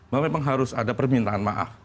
bahwa memang harus ada permintaan maaf